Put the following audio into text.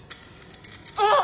あっ！